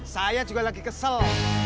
saya juga lagi kesel